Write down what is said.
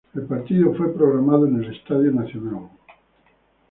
El partido fue programado en el Estadio Nacional.